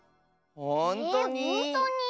ほんとに？